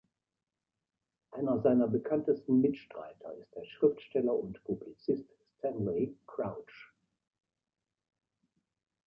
Einer seiner bekanntesten Mitstreiter ist der Schriftsteller und Publizist Stanley Crouch.